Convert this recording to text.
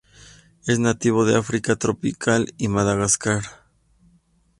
Es nativo de África tropical y Madagascar.